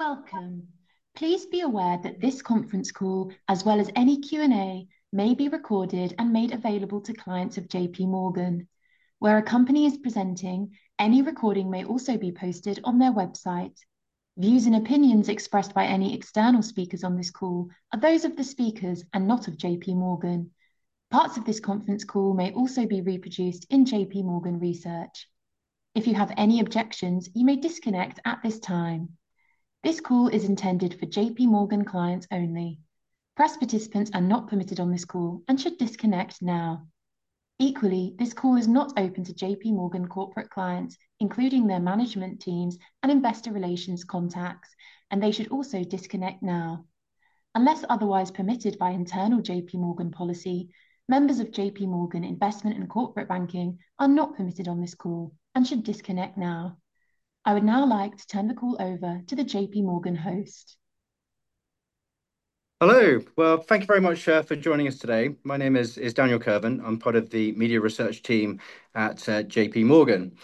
Welcome. Please be aware that this conference call, as well as any Q&A, may be recorded and made available to clients of JPMorgan. Where a company is presenting, any recording may also be posted on their website. Views and opinions expressed by any external speakers on this call are those of the speakers and not of JPMorgan. Parts of this conference call may also be reproduced in JPMorgan Research. If you have any objections, you may disconnect at this time. This call is intended for JPMorgan clients only. Press participants are not permitted on this call and should disconnect now. Equally, this call is not open to JPMorgan corporate clients, including their management teams and Investor Relations contacts, and they should also disconnect now. Unless otherwise permitted by internal JPMorgan policy, members of JPMorgan Investment and Corporate Banking are not permitted on this call and should disconnect now. I would now like to turn the call over to the JPMorgan host. Hello. Thank you very much for joining us today. My name is Daniel Kerven. I'm part of the media research team at JPMorgan.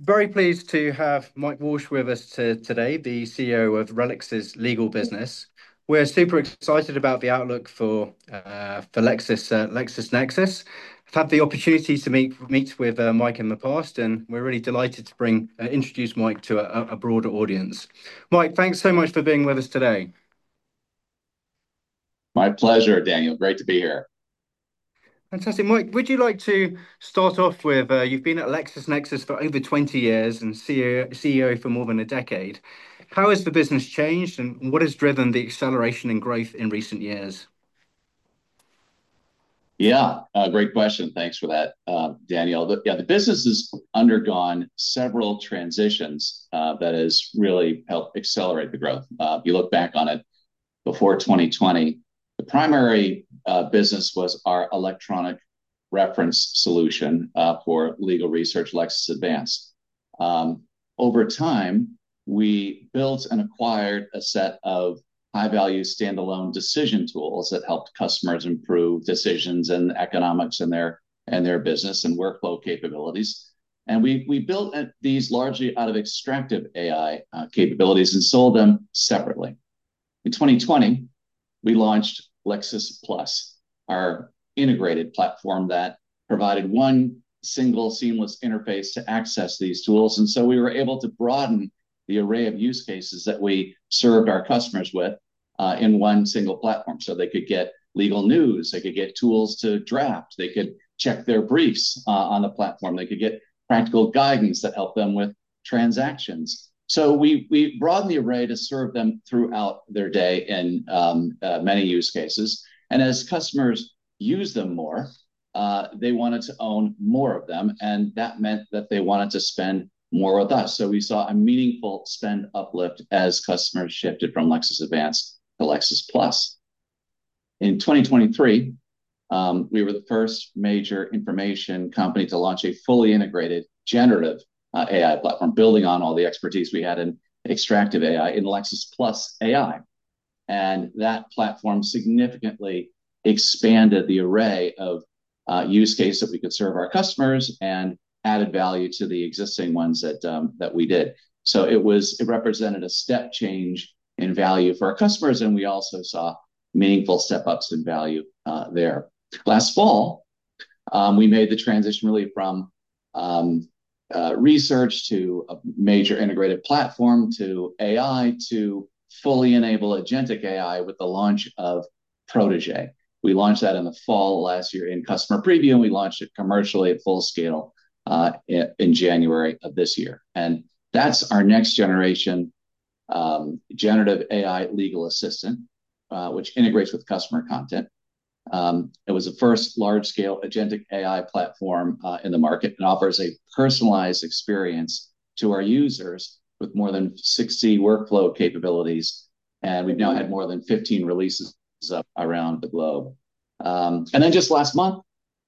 Very pleased to have Mike Walsh with us today, the CEO of RELX's legal business. We're super excited about the outlook for LexisNexis. I've had the opportunity to meet with Mike in the past, and we're really delighted to introduce Mike to a broader audience. Mike, thanks so much for being with us today. My pleasure, Daniel. Great to be here. Fantastic. Mike, would you like to start off with you've been at LexisNexis for over 20 years and CEO for more than a decade. How has the business changed, and what has driven the acceleration in growth in recent years? Yeah, great question. Thanks for that, Daniel. Yeah, the business has undergone several transitions that have really helped accelerate the growth. If you look back on it before 2020, the primary business was our electronic reference solution for legal research, Lexis Advance. Over time, we built and acquired a set of high-value standalone decision tools that helped customers improve decisions and economics in their business and workflow capabilities, and we built these largely out of extractive AI capabilities and sold them separately. In 2020, we launched Lexis+, our integrated platform that provided one single seamless interface to access these tools, and so we were able to broaden the array of use cases that we served our customers with in one single platform, so they could get legal news. They could get tools to draft. They could check their briefs on the platform. They could get Practical Guidance that helped them with transactions. So we broadened the array to serve them throughout their day in many use cases. And as customers used them more, they wanted to own more of them, and that meant that they wanted to spend more with us. So we saw a meaningful spend uplift as customers shifted from Lexis Advance to Lexis+. In 2023, we were the first major information company to launch a fully generative AI platform, building on all the expertise we had extractive AI in Lexis+ AI. And that platform significantly expanded the array of use cases that we could serve our customers and added value to the existing ones that we did. So it represented a step change in value for our customers, and we also saw meaningful step-ups in value there. Last fall, we made the transition really from research to a major integrated platform to AI to fully enable agentic AI with the launch of Protégé. We launched that in the fall of last year in customer preview, and we launched it commercially at full scale in January of this year. And that's our next-generation AI legal assistant, which integrates with customer content. It was the first large-scale agentic AI platform in the market and offers a personalized experience to our users with more than 60 workflow capabilities. And we've now had more than 15 releases around the globe. And then just last month,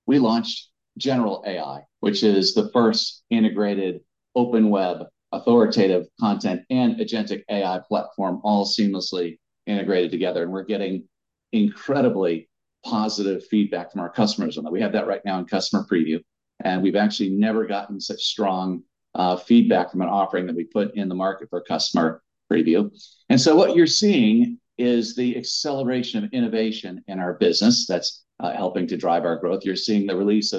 we launched General AI, which is the first integrated open web authoritative content and agentic AI platform, all seamlessly integrated together. And we're getting incredibly positive feedback from our customers on that. We have that right now in customer preview. And we've actually never gotten such strong feedback from an offering that we put in the market for customer preview. And so what you're seeing is the acceleration of innovation in our business that's helping to drive our growth. You're seeing the release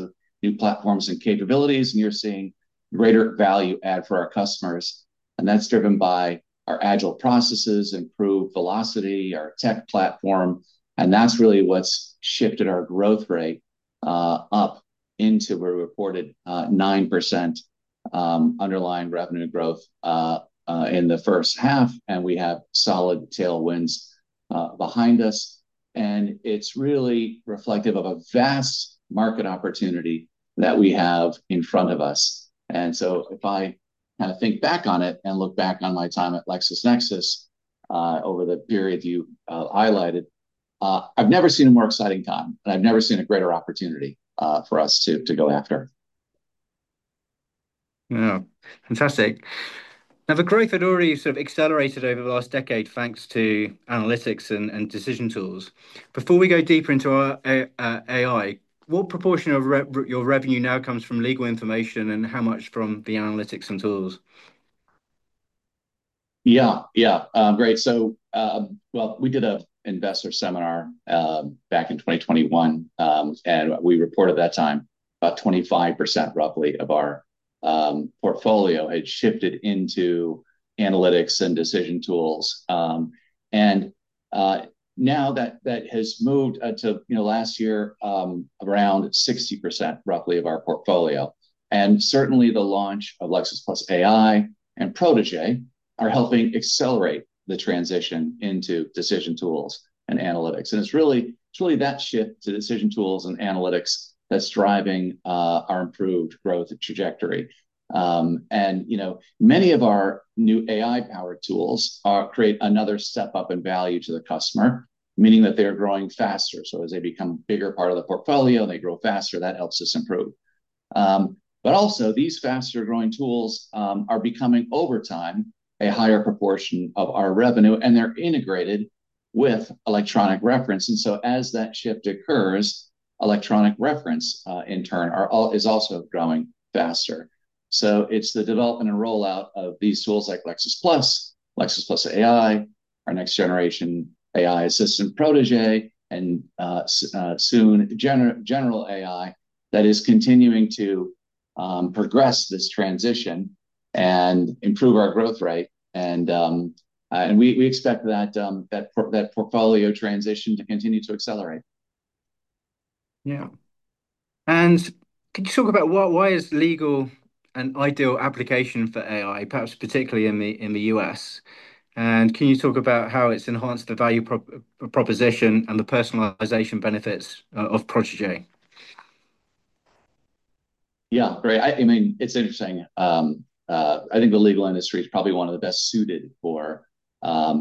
of new platforms and capabilities, and you're seeing greater value add for our customers. And that's driven by our agile processes, improved velocity, our tech platform. And that's really what's shifted our growth rate up into where we reported 9% underlying revenue growth in the first half. And we have solid tailwinds behind us. And it's really reflective of a vast market opportunity that we have in front of us. And so if I kind of think back on it and look back on my time at LexisNexis over the period you highlighted, I've never seen a more exciting time, and I've never seen a greater opportunity for us to go after. Yeah, fantastic. Now, the growth had already sort of accelerated over the last decade, thanks to analytics and decision tools. Before we go deeper into AI, what proportion of your revenue now comes from legal information and how much from the analytics and tools? Yeah, yeah. Great. So, well, we did an investor seminar back in 2021, and we reported at that time about 25%, roughly, of our portfolio had shifted into analytics and decision tools. And now that has moved to last year around 60%, roughly, of our portfolio. And certainly, the launch of Lexis+ AI and Protégé are helping accelerate the transition into decision tools and analytics. And it's really that shift to decision tools and analytics that's driving our improved growth trajectory. And many of our new AI-powered tools create another step up in value to the customer, meaning that they're growing faster. So as they become a bigger part of the portfolio and they grow faster, that helps us improve. But also, these faster-growing tools are becoming, over time, a higher proportion of our revenue, and they're integrated with electronic reference. And so as that shift occurs, electronic reference, in turn, is also growing faster. So it's the development and rollout of these tools like Lexis+, Lexis+ AI, our next-generation AI assistant, Protégé, and soon General AI that is continuing to progress this transition and improve our growth rate. And we expect that portfolio transition to continue to accelerate. Yeah, and could you talk about why is legal an ideal application for AI, perhaps particularly in the U.S.? And can you talk about how it's enhanced the value proposition and the personalization benefits of Protégé? Yeah, great. I mean, it's interesting. I think the legal industry is probably one of the best suited for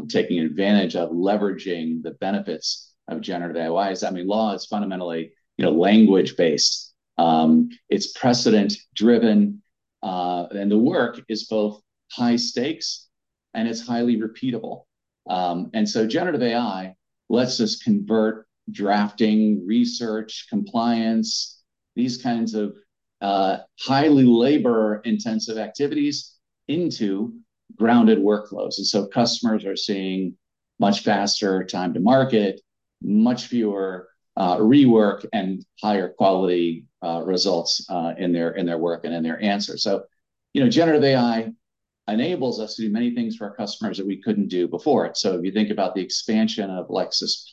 taking advantage of leveraging the benefits of generative AI. I mean, law is fundamentally language-based. It's precedent-driven. And the work is both high stakes, and it's highly repeatable. And generative AI lets us convert drafting, research, compliance, these kinds of highly labor-intensive activities into grounded workflows. And so customers are seeing much faster time to market, much fewer rework, and higher quality results in their work and in their answers. generative AI enables us to do many things for our customers that we couldn't do before. So if you think about the expansion of Lexis+,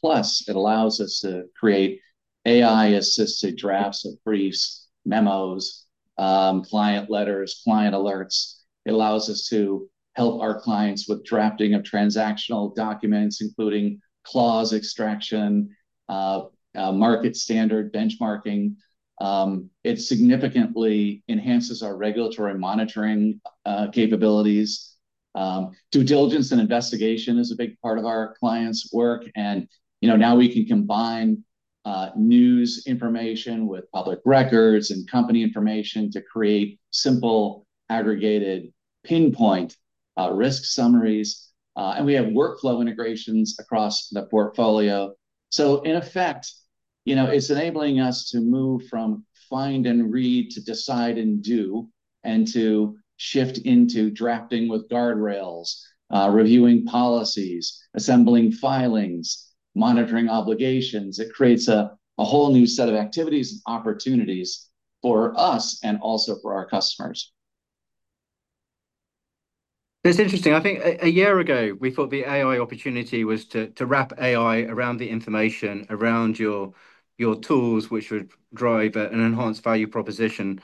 it allows us to create AI-assisted drafts of briefs, memos, client letters, client alerts. It allows us to help our clients with drafting of transactional documents, including clause extraction, market standard benchmarking. It significantly enhances our regulatory monitoring capabilities. Due diligence and investigation is a big part of our client's work. And now we can combine news information with public records and company information to create simple aggregated pinpoint risk summaries. And we have workflow integrations across the portfolio. So in effect, it's enabling us to move from find-and-read to decide-and-do and to shift into drafting with guardrails, reviewing policies, assembling filings, monitoring obligations. It creates a whole new set of activities and opportunities for us and also for our customers. That's interesting. I think a year ago, we thought the AI opportunity was to wrap AI around the information around your tools, which would drive an enhanced value proposition,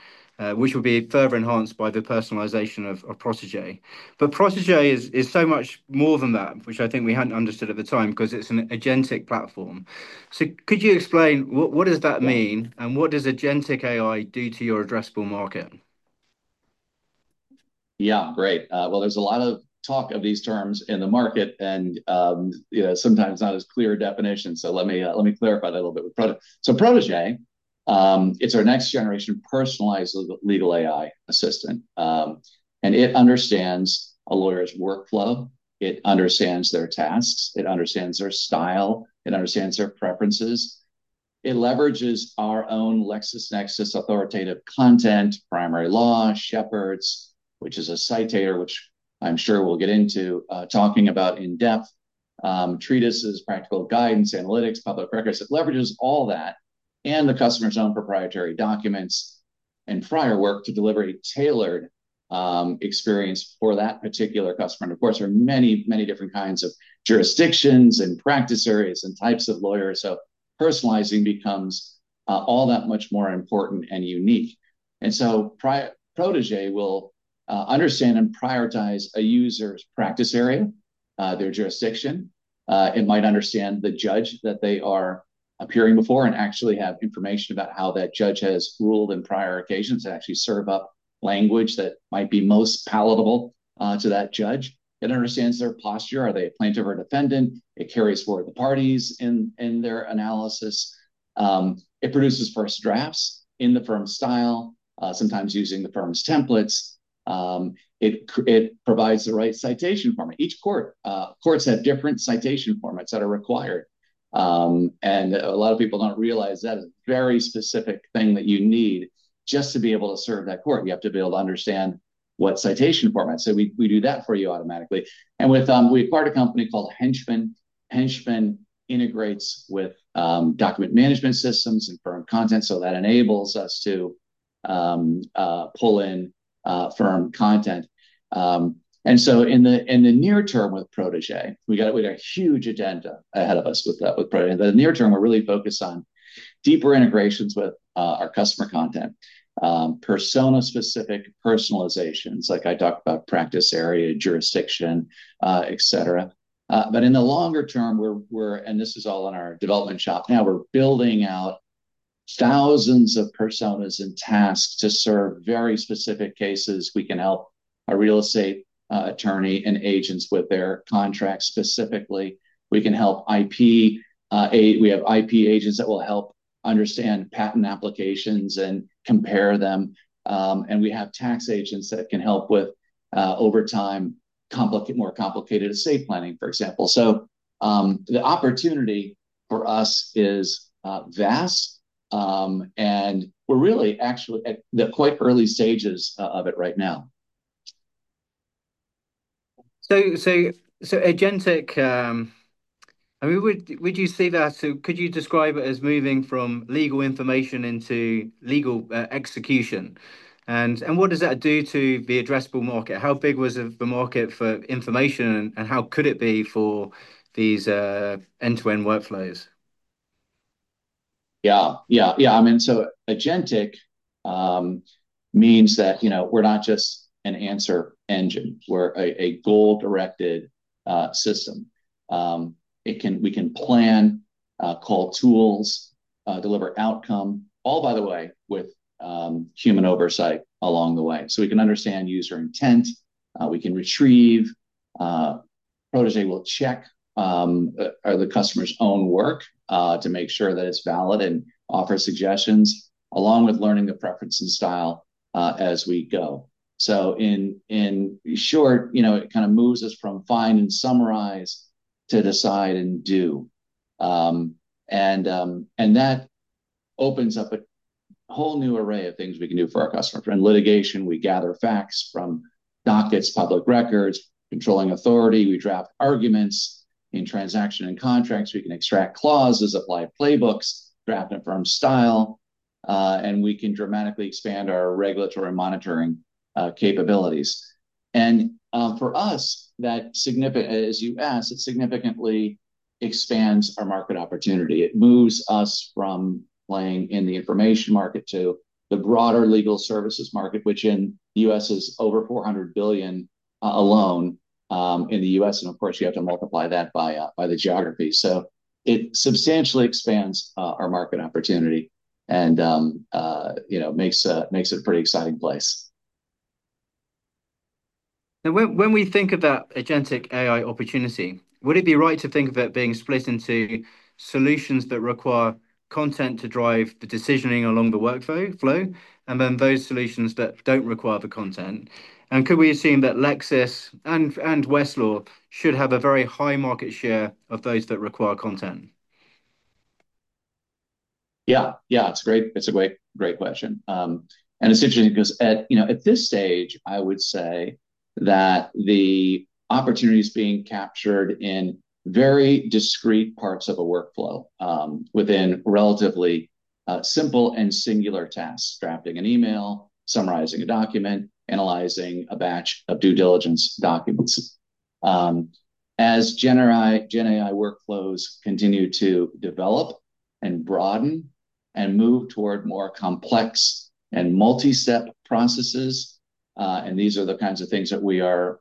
which would be further enhanced by the personalization of Protégé. But Protégé is so much more than that, which I think we hadn't understood at the time because it's an agentic platform. So could you explain what does that mean and what does agentic AI do to your addressable market? Yeah, great. Well, there's a lot of talk of these terms in the market and sometimes not as clear definitions, so let me clarify that a little bit, so Protégé, it's our next-generation personalized legal AI assistant, and it understands a lawyer's workflow. It understands their tasks. It understands their style. It understands their preferences. It leverages our own LexisNexis authoritative content, primary law, Shepard's, which is a citator, which I'm sure we'll get into talking about in depth, treatises, Practical Guidance, analytics, public records. It leverages all that and the customer's own proprietary documents and prior work to deliver a tailored experience for that particular customer, and of course, there are many, many different kinds of jurisdictions and practice areas and types of lawyers, so personalizing becomes all that much more important and unique, and so Protégé will understand and prioritize a user's practice area, their jurisdiction. It might understand the judge that they are appearing before and actually have information about how that judge has ruled in prior occasions and actually serve up language that might be most palatable to that judge. It understands their posture. Are they a plaintiff or defendant? It carries forward the parties in their analysis. It produces first drafts in the firm's style, sometimes using the firm's templates. It provides the right citation format. Each court has different citation formats that are required, and a lot of people don't realize that is a very specific thing that you need just to be able to serve that court. You have to be able to understand what citation format. So we do that for you automatically, and we acquired a company called Henchman. Henchman integrates with document management systems and firm content. So that enables us to pull in firm content. In the near term with Protégé, we got a huge agenda ahead of us with Protégé. In the near term, we're really focused on deeper integrations with our customer content, persona-specific personalizations, like I talked about practice area, jurisdiction, etc. In the longer term, and this is all in our development shop now, we're building out thousands of personas and tasks to serve very specific cases. We can help our real estate attorney and agents with their contracts specifically. We can help IP. We have IP agents that will help understand patent applications and compare them. We have tax agents that can help with, over time, more complicated estate planning, for example. The opportunity for us is vast. We're really actually at the quite early stages of it right now. So agentic, I mean, would you see that? So could you describe it as moving from legal information into legal execution? And what does that do to the addressable market? How big was the market for information, and how could it be for these end-to-end workflows? Yeah, yeah, yeah. I mean, so agentic means that we're not just an answer engine. We're a goal-directed system. We can plan, call tools, deliver outcome, all by the way, with human oversight along the way. So we can understand user intent. We can retrieve. Protégé will check the customer's own work to make sure that it's valid and offer suggestions, along with learning the preference and style as we go. So in short, it kind of moves us from find-and-summarize to decide-and-do. And that opens up a whole new array of things we can do for our customers. In litigation, we gather facts from dockets, public records, controlling authority. We draft arguments in transaction and contracts. We can extract clauses, apply playbooks, draft and firm style. And we can dramatically expand our regulatory monitoring capabilities. And for us, as you asked, it significantly expands our market opportunity. It moves us from playing in the information market to the broader legal services market, which in the U.S. is over $400 billion alone in the U.S. And of course, you have to multiply that by the geography. So it substantially expands our market opportunity and makes it a pretty exciting place. Now, when we think about agentic AI opportunity, would it be right to think of it being split into solutions that require content to drive the decisioning along the workflow, and then those solutions that don't require the content? And could we assume that Lexis and Westlaw should have a very high market share of those that require content? Yeah, yeah. It's a great question. And it's interesting because at this stage, I would say that the opportunity is being captured in very discrete parts of a workflow within relatively simple and singular tasks: drafting an email, summarizing a document, analyzing a batch of due diligence documents. As generative AI workflows continue to develop and broaden and move toward more complex and multi-step processes, and these are the kinds of things that we are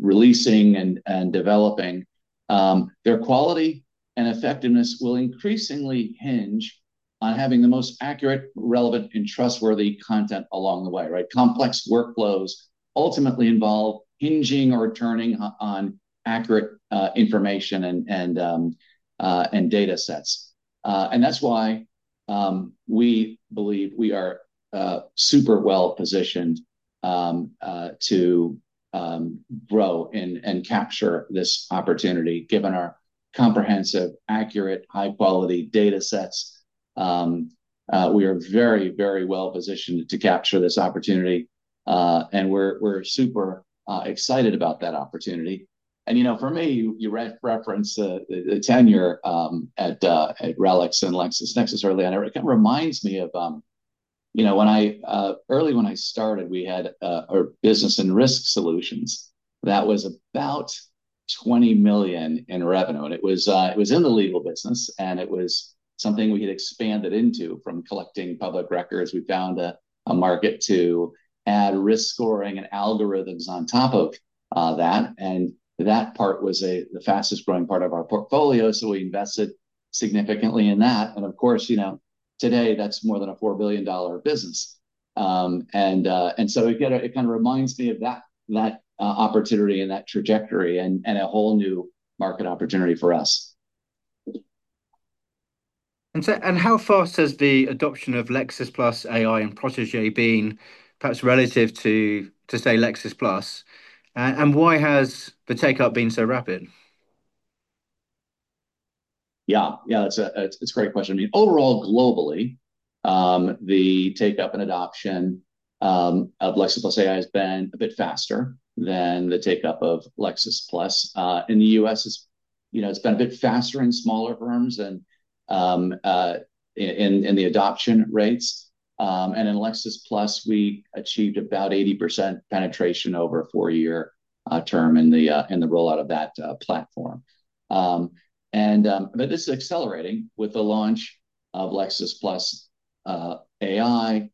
releasing and developing, their quality and effectiveness will increasingly hinge on having the most accurate, relevant, and trustworthy content along the way, right? Complex workflows ultimately involve hinging or turning on accurate information and data sets. And that's why we believe we are super well-positioned to grow and capture this opportunity. Given our comprehensive, accurate, high-quality data sets, we are very, very well-positioned to capture this opportunity. And we're super excited about that opportunity. For me, you referenced the tenure at RELX and LexisNexis early on. It kind of reminds me of when I, early when I started, we had our Business and Risk Solutions. That was about $20 million in revenue. It was in the legal business. It was something we had expanded into from collecting public records. We found a market to add risk scoring and algorithms on top of that. That part was the fastest growing part of our portfolio. We invested significantly in that. Of course, today, that's more than a $4 billion business. It kind of reminds me of that opportunity and that trajectory and a whole new market opportunity for us. And how fast has the adoption of Lexis+ AI and Protégé been, perhaps relative to, to say, Lexis+? And why has the take-up been so rapid? Yeah, yeah. It's a great question. I mean, overall, globally, the take-up and adoption of Lexis+ AI has been a bit faster than the take-up of Lexis+. In the U.S., it's been a bit faster in smaller firms in the adoption rates. And in Lexis+, we achieved about 80% penetration over a four-year term in the rollout of that platform. But this is accelerating with the launch of Lexis+ AI,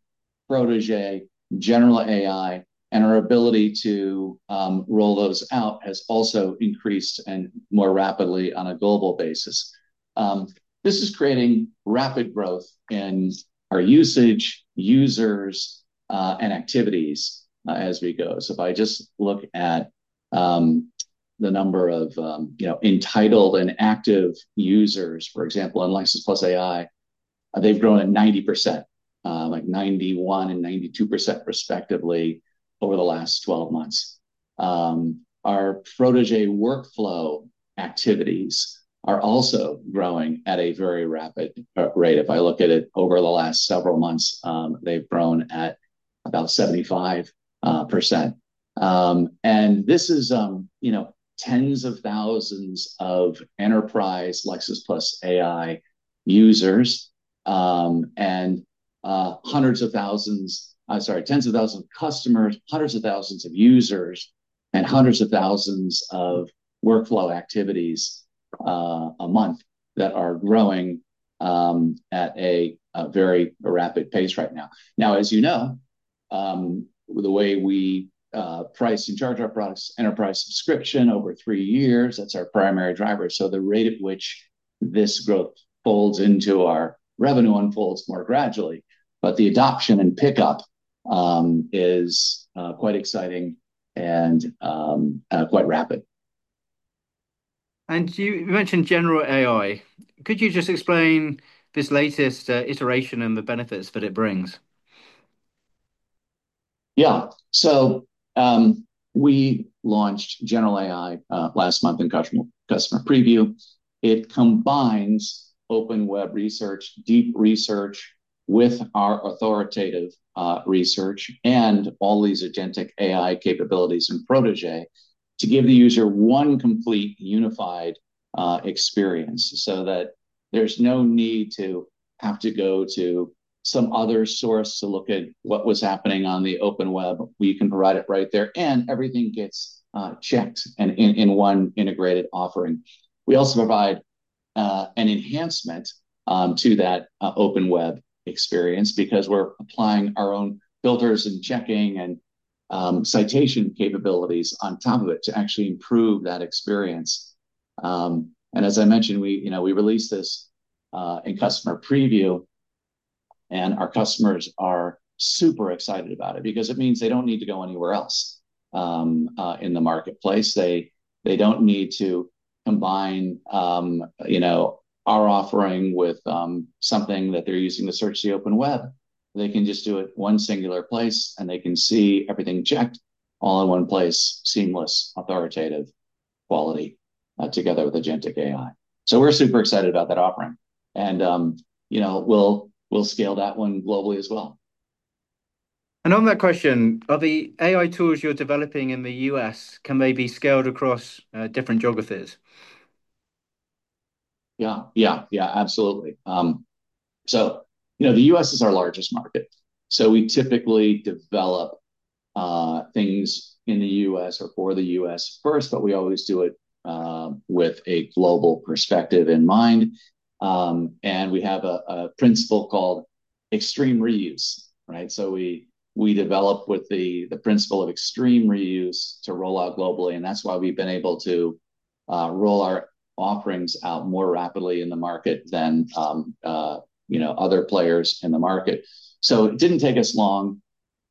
Protégé, General AI, and our ability to roll those out has also increased and more rapidly on a global basis. This is creating rapid growth in our usage, users, and activities as we go. So if I just look at the number of entitled and active users, for example, on Lexis+ AI, they've grown at 90%, like 91% and 92%, respectively, over the last 12 months. Our Protégé workflow activities are also growing at a very rapid rate. If I look at it over the last several months, they've grown at about 75%. And this is tens of thousands of enterprise Lexis+ AI users and hundreds of thousands, I'm sorry, tens of thousands of customers, hundreds of thousands of users, and hundreds of thousands of workflow activities a month that are growing at a very rapid pace right now. Now, as you know, the way we price and charge our products, enterprise subscription over three years, that's our primary driver. So the rate at which this growth folds into our revenue unfolds more gradually. But the adoption and pickup is quite exciting and quite rapid. You mentioned General AI. Could you just explain this latest iteration and the benefits that it brings? Yeah, so we launched General AI last month in customer preview. It combines open web research, deep research with our authoritative research and all these agentic AI capabilities in Protégé to give the user one complete unified experience so that there's no need to have to go to some other source to look at what was happening on the open web. We can provide it right there, and everything gets checked in one integrated offering. We also provide an enhancement to that open web experience because we're applying our own filters and checking and citation capabilities on top of it to actually improve that experience, and as I mentioned, we released this in customer preview. And our customers are super excited about it because it means they don't need to go anywhere else in the marketplace. They don't need to combine our offering with something that they're using to search the open web. They can just do it one singular place, and they can see everything checked all in one place, seamless, authoritative quality together with agentic AI, so we're super excited about that offering and we'll scale that one globally as well. And on that question, are the AI tools you're developing in the U.S., can they be scaled across different geographies? Yeah, yeah, yeah, absolutely. So the U.S. is our largest market. So we typically develop things in the U.S. or for the U.S. first, but we always do it with a global perspective in mind. And we have a principle called extreme reuse, right? So we develop with the principle of extreme reuse to roll out globally. And that's why we've been able to roll our offerings out more rapidly in the market than other players in the market. So it didn't take us long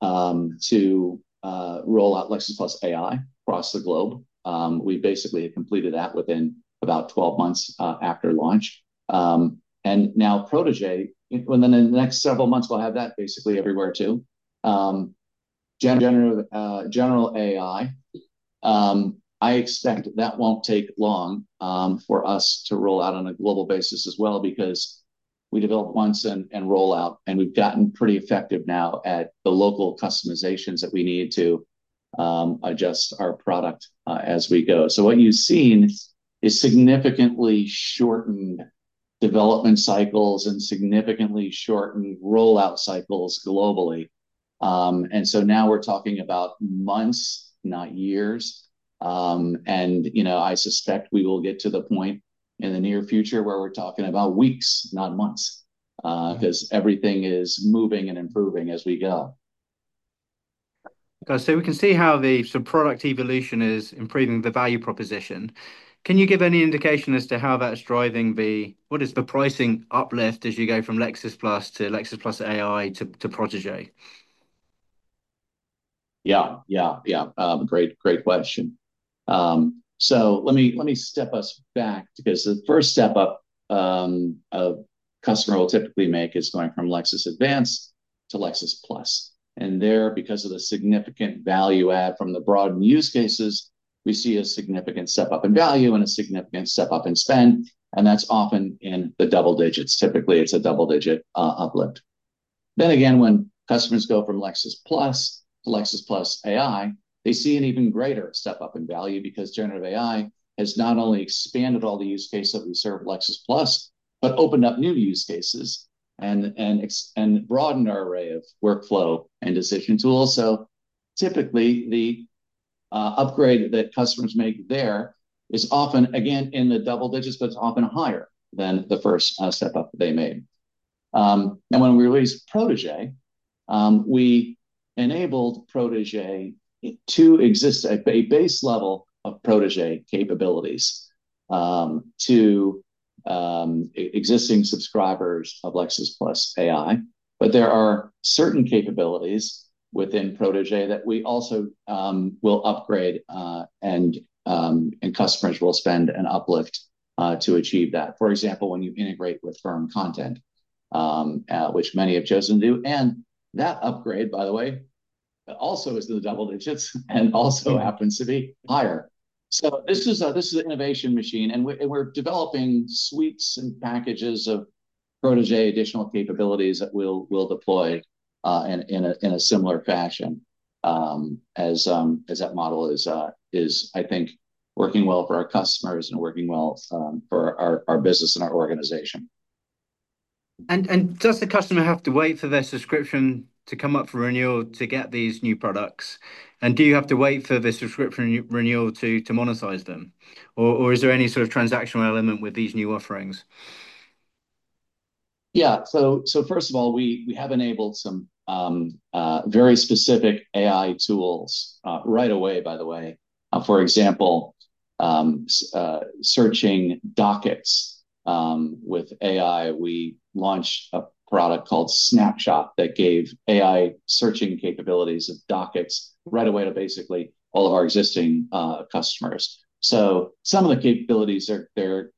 to roll out Lexis+ AI across the globe. We basically completed that within about 12 months after launch. And now Protégé, within the next several months, we'll have that basically everywhere too. General. General AI. I expect that won't take long for us to roll out on a global basis as well because we develop once and roll out. And we've gotten pretty effective now at the local customizations that we need to adjust our product as we go. So what you've seen is significantly shortened development cycles and significantly shortened rollout cycles globally. And so now we're talking about months, not years. And I suspect we will get to the point in the near future where we're talking about weeks, not months, because everything is moving and improving as we go. So we can see how the product evolution is improving the value proposition. Can you give any indication as to how that's driving the—what is the pricing uplift as you go from Lexis+ to Lexis+ AI to Protégé? Yeah, yeah, yeah. Great question. So let me step us back because the first step up a customer will typically make is going from Lexis Advance to Lexis+. And there, because of the significant value add from the broadened use cases, we see a significant step up in value and a significant step up in spend. And that's often in the double digits. Typically, it's a double-digit uplift. Then again, when customers go from Lexis+ to Lexis+ AI, they see an even greater step up in value generative AI has not only expanded all the use cases that we serve Lexis+, but opened up new use cases and broadened our array of workflow and decision tools. So typically, the upgrade that customers make there is often, again, in the double digits, but it's often higher than the first step up they made. And when we released Protégé, we enabled Protégé to exist at a base level of Protégé capabilities to existing subscribers of Lexis+ AI. But there are certain capabilities within Protégé that we also will upgrade, and customers will spend an uplift to achieve that. For example, when you integrate with firm content, which many have chosen to do. And that upgrade, by the way, also is in the double digits and also happens to be higher. So this is an innovation machine. And we're developing suites and packages of Protégé additional capabilities that we'll deploy in a similar fashion as that model is, I think, working well for our customers and working well for our business and our organization. And does the customer have to wait for their subscription to come up for renewal to get these new products? And do you have to wait for the subscription renewal to monetize them? Or is there any sort of transactional element with these new offerings? Yeah, so first of all, we have enabled some very specific AI tools right away, by the way. For example, searching dockets with AI, we launched a product called Snapshot that gave AI searching capabilities of dockets right away to basically all of our existing customers. So some of the capabilities they're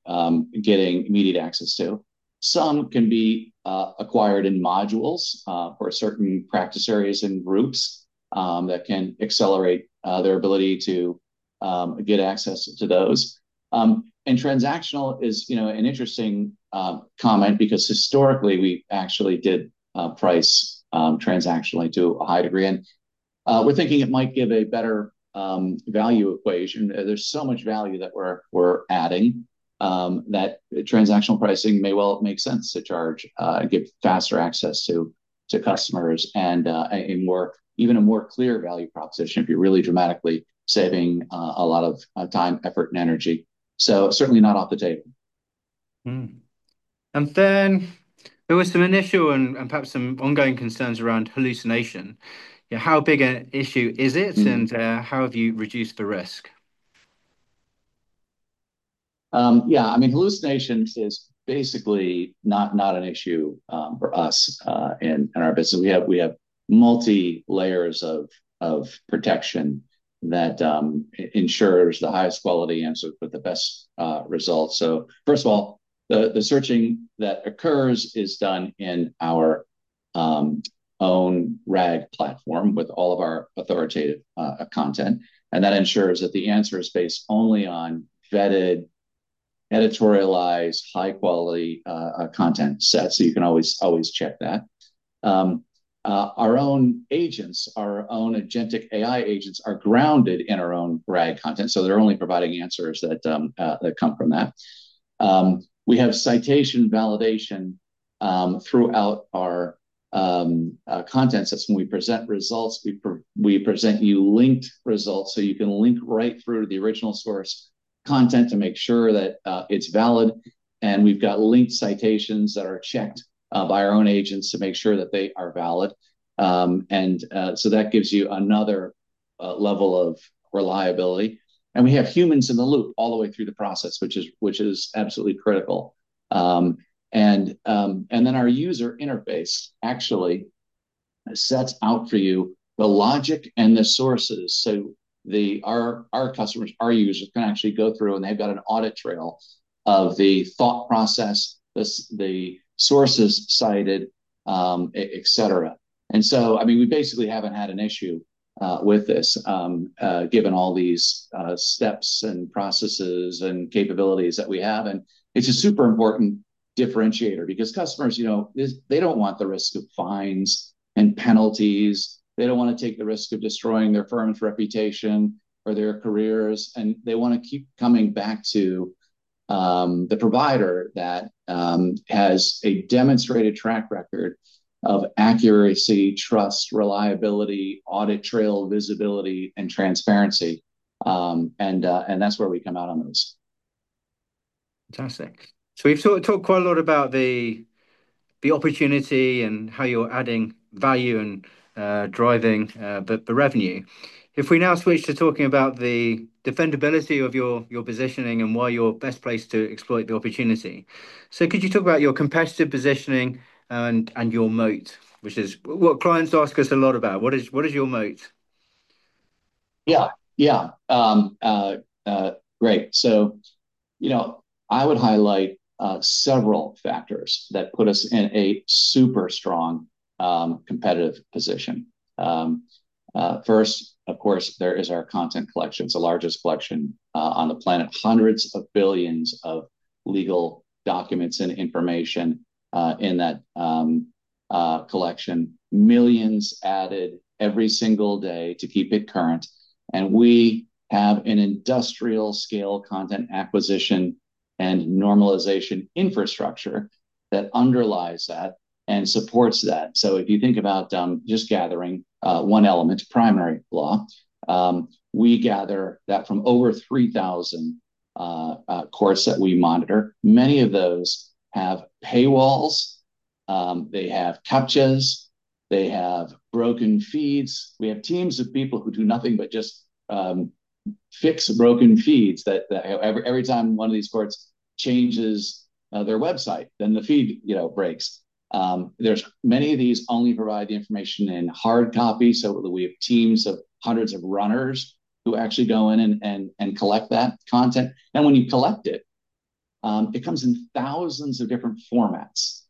getting immediate access to. Some can be acquired in modules for certain practice areas and groups that can accelerate their ability to get access to those, and transactional is an interesting comment because historically, we actually did price transactionally to a high degree. We're thinking it might give a better value equation. There's so much value that we're adding that transactional pricing may well make sense to charge, give faster access to customers, and even a more clear value proposition if you're really dramatically saving a lot of time, effort, and energy. So certainly not off the table. There was some initial and perhaps some ongoing concerns around hallucination. How big an issue is it, and how have you reduced the risk? Yeah. I mean, hallucination is basically not an issue for us in our business. We have multi-layers of protection that ensures the highest quality answer with the best results. So first of all, the searching that occurs is done in our own RAG platform with all of our authoritative content. And that ensures that the answer is based only on vetted, editorialized, high-quality content sets. So you can always check that. Our own agents, our own agentic AI agents are grounded in our own RAG content. So they're only providing answers that come from that. We have citation validation throughout our contents. That's when we present results. We present you linked results so you can link right through to the original source content to make sure that it's valid. And we've got linked citations that are checked by our own agents to make sure that they are valid. That gives you another level of reliability. We have humans in the loop all the way through the process, which is absolutely critical. Our user interface actually sets out for you the logic and the sources. Our customers, our users can actually go through, and they've got an audit trail of the thought process, the sources cited, etc. I mean, we basically haven't had an issue with this given all these steps and processes and capabilities that we have. It's a super important differentiator because customers, they don't want the risk of fines and penalties. They don't want to take the risk of destroying their firm's reputation or their careers. They want to keep coming back to the provider that has a demonstrated track record of accuracy, trust, reliability, audit trail, visibility, and transparency. And that's where we come out on those. Fantastic. So we've talked quite a lot about the opportunity and how you're adding value and driving the revenue. If we now switch to talking about the defendability of your positioning and why you're best placed to exploit the opportunity. So could you talk about your competitive positioning and your moat, which is what clients ask us a lot about? What is your moat? Yeah, yeah. Great. So I would highlight several factors that put us in a super strong competitive position. First, of course, there is our content collection. It's the largest collection on the planet. Hundreds of billions of legal documents and information in that collection, millions added every single day to keep it current. And we have an industrial-scale content acquisition and normalization infrastructure that underlies that and supports that. So if you think about just gathering one element, primary law, we gather that from over 3,000 courts that we monitor. Many of those have paywalls. They have CAPTCHAs. They have broken feeds. We have teams of people who do nothing but just fix broken feeds that every time one of these courts changes their website, then the feed breaks. There's many of these only provide the information in hard copy. So we have teams of hundreds of runners who actually go in and collect that content. And when you collect it, it comes in thousands of different formats.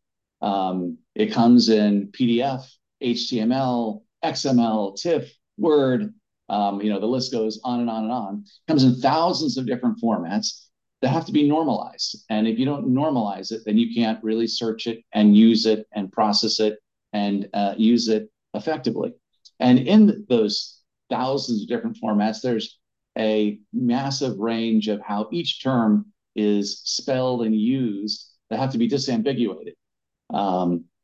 It comes in PDF, HTML, XML, TIFF, Word. The list goes on and on and on. It comes in thousands of different formats that have to be normalized. And if you don't normalize it, then you can't really search it and use it and process it and use it effectively. And in those thousands of different formats, there's a massive range of how each term is spelled and used that have to be disambiguated.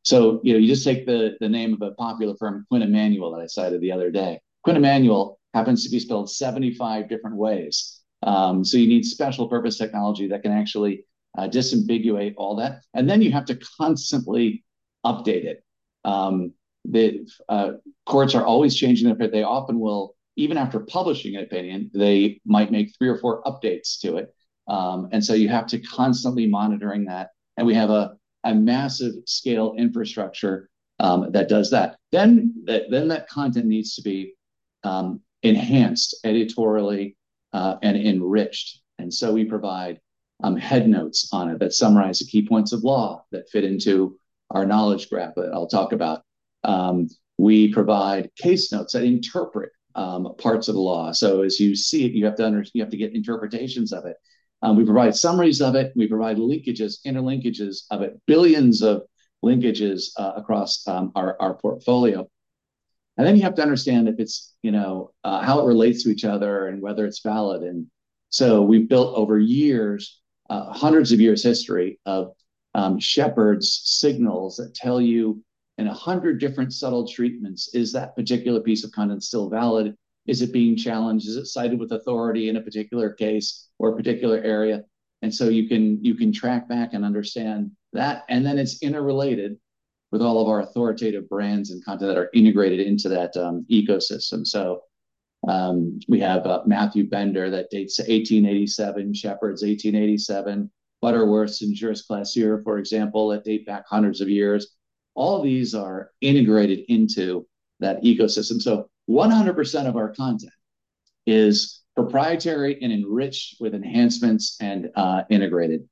So you just take the name of a popular firm, Quinn Emanuel, that I cited the other day. Quinn Emanuel happens to be spelled 75 different ways. So you need special purpose technology that can actually disambiguate all that. And then you have to constantly update it. The courts are always changing their opinion. They often will, even after publishing an opinion, they might make three or four updates to it, and so you have to constantly monitor that, and we have a massive-scale infrastructure that does that. Then that content needs to be enhanced editorially and enriched, and so we provide headnotes on it that summarize the key points of law that fit into our knowledge graph that I'll talk about. We provide case notes that interpret parts of the law, so as you see it, you have to get interpretations of it. We provide summaries of it. We provide linkages, interlinkages of it, billions of linkages across our portfolio, and then you have to understand how it relates to each other and whether it's valid. And so we've built over years, hundreds of years' history of Shepard's signals that tell you in 100 different subtle treatments, is that particular piece of content still valid? Is it being challenged? Is it cited with authority in a particular case or a particular area? And so you can track back and understand that. And then it's interrelated with all of our authoritative brands and content that are integrated into that ecosystem. So we have Matthew Bender that dates to 1887, Shepard's 1887, Butterworths and JurisClasseur, for example, that date back hundreds of years. All these are integrated into that ecosystem. So 100% of our content is proprietary and enriched with enhancements and integrated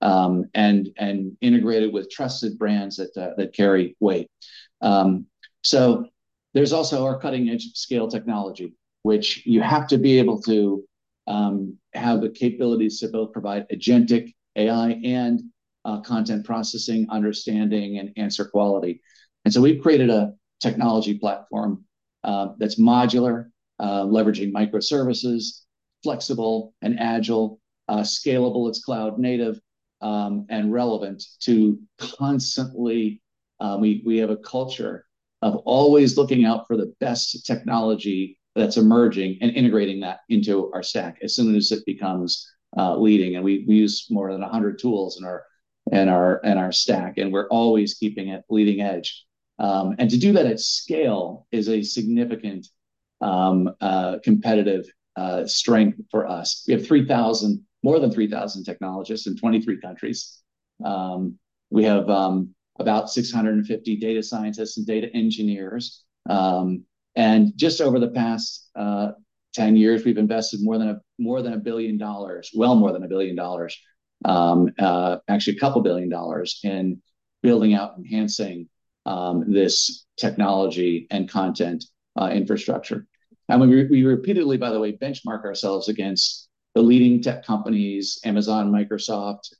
with trusted brands that carry weight. So there's also our cutting-edge scale technology, which you have to be able to have the capabilities to both provide agentic AI and content processing understanding and answer quality. And so we've created a technology platform that's modular, leveraging microservices, flexible and agile, scalable, it's cloud native, and relevant to constantly. We have a culture of always looking out for the best technology that's emerging and integrating that into our stack as soon as it becomes leading. And we use more than 100 tools in our stack, and we're always keeping it leading edge. And to do that at scale is a significant competitive strength for us. We have more than 3,000 technologists in 23 countries. We have about 650 data scientists and data engineers. Just over the past 10 years, we've invested more than $1 billion, well more than $1 billion, actually a couple billion dollars in building out, enhancing this technology and content infrastructure. We repeatedly, by the way, benchmark ourselves against the leading tech companies, Amazon, Microsoft,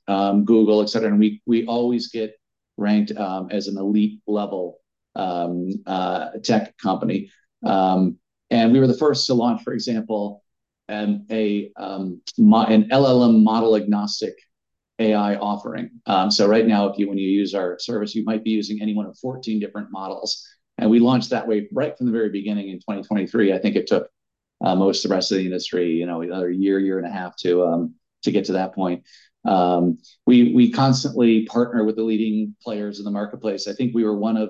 Google, etc. We always get ranked as an elite-level tech company. We were the first to launch, for example, an LLM model-agnostic AI offering. Right now, when you use our service, you might be using any one of 14 different models. We launched that way right from the very beginning in 2023. I think it took most of the rest of the industry another year, year and a half to get to that point. We constantly partner with the leading players in the marketplace. I think we were one of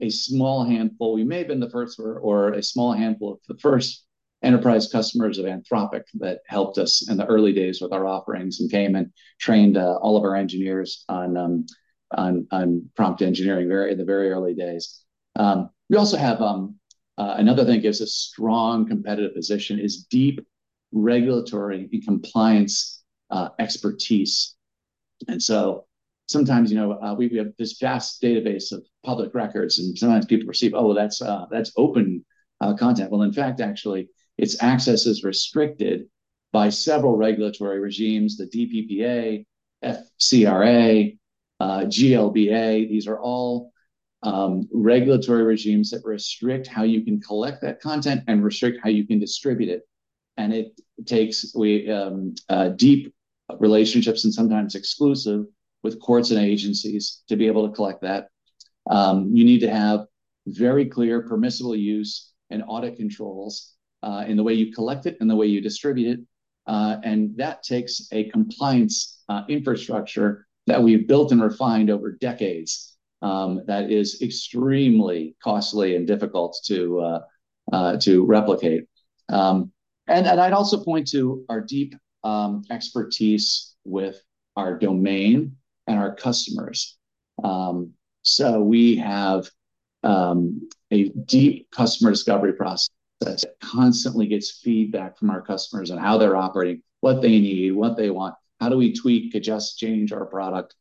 a small handful. We may have been the first or a small handful of the first enterprise customers of Anthropic that helped us in the early days with our offerings and came and trained all of our engineers on prompt engineering in the very early days. We also have another thing that gives us a strong competitive position is deep regulatory and compliance expertise. And so sometimes we have this vast database of public records, and sometimes people perceive, "Oh, that's open content." Well, in fact, actually, its access is restricted by several regulatory regimes, the DPPA, FCRA, GLBA. These are all regulatory regimes that restrict how you can collect that content and restrict how you can distribute it. And it takes deep relationships and sometimes exclusive with courts and agencies to be able to collect that. You need to have very clear permissible use and audit controls in the way you collect it and the way you distribute it. And that takes a compliance infrastructure that we've built and refined over decades that is extremely costly and difficult to replicate, and I'd also point to our deep expertise with our domain and our customers, so we have a deep customer discovery process that constantly gets feedback from our customers on how they're operating, what they need, what they want, how do we tweak, adjust, change our product.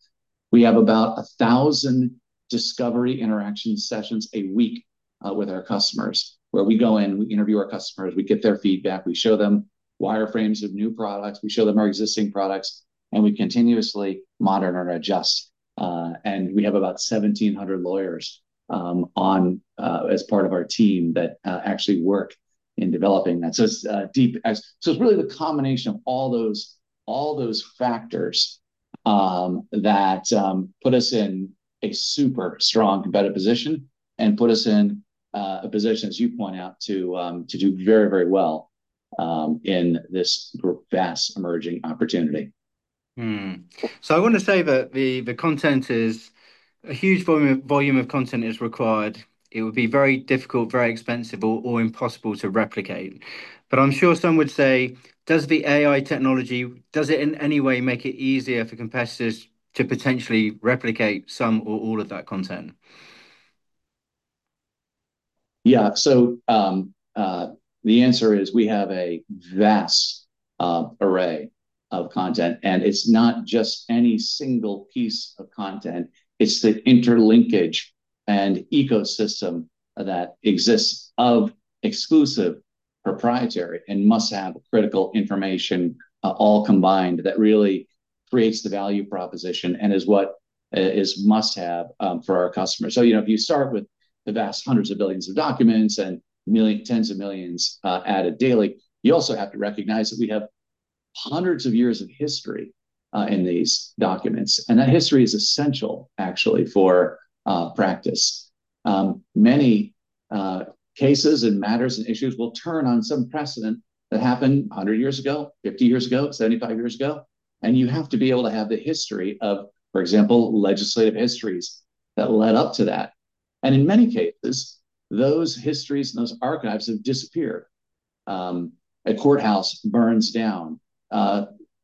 We have about 1,000 discovery interaction sessions a week with our customers where we go in, we interview our customers, we get their feedback, we show them wireframes of new products, we show them our existing products, and we continuously modernize and adjust. And we have about 1,700 lawyers as part of our team that actually work in developing that. So it's really the combination of all those factors that put us in a super strong competitive position and put us in a position, as you point out, to do very, very well in this vast emerging opportunity. So I want to say that the content is a huge volume of content is required. It would be very difficult, very expensive, or impossible to replicate. But I'm sure some would say, "Does the AI technology, does it in any way make it easier for competitors to potentially replicate some or all of that content? Yeah. So the answer is we have a vast array of content. And it's not just any single piece of content. It's the interlinkage and ecosystem that exists of exclusive proprietary and must-have critical information all combined that really creates the value proposition and is what is must-have for our customers. So if you start with the vast hundreds of billions of documents and tens of millions added daily, you also have to recognize that we have hundreds of years of history in these documents. And that history is essential, actually, for practice. Many cases and matters and issues will turn on some precedent that happened 100 years ago, 50 years ago, 75 years ago. And you have to be able to have the history of, for example, legislative histories that led up to that. And in many cases, those histories and those archives have disappeared. A courthouse burns down.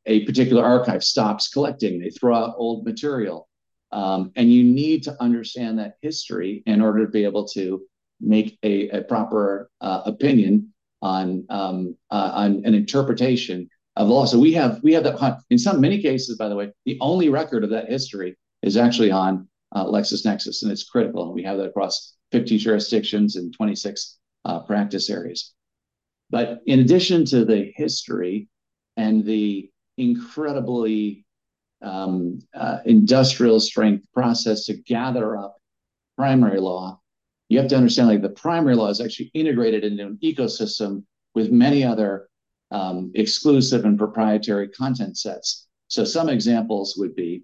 A particular archive stops collecting. They throw out old material, and you need to understand that history in order to be able to make a proper opinion on an interpretation of law. We have that in many cases, by the way. The only record of that history is actually on LexisNexis, and it's critical. We have that across 50 jurisdictions and 26 practice areas. But in addition to the history and the incredibly industrial-strength process to gather up primary law, you have to understand the primary law is actually integrated into an ecosystem with many other exclusive and proprietary content sets. Some examples would be